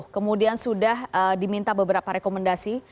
kemudian sudah diminta beberapa rekomendasi